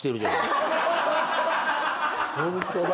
ホントだ！